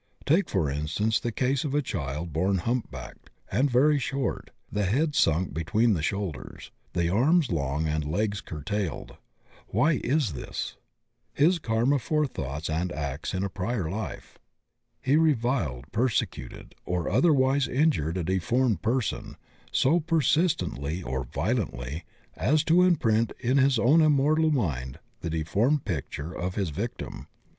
Take for instance the case of a child bom humpbacked and very short, the head sunk between the shoulders, the arms long and legs curtailed. Why is this? His karma for thoughts and acts in a prior life. He reviled, persecuted, or otherwise injured a deformed person so per sistently or violently as to imprint in. his own immortal mind the deformed picture of his victim.